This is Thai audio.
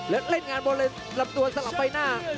และเล่นงานบริเวณลำตัวสลับใบหน้า